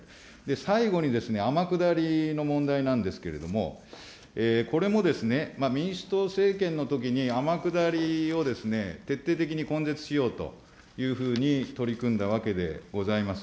最後に天下りの問題なんですけれども、これもですね、民主党政権のときに天下りを徹底的に根絶しようというふうに取り組んだわけでございます。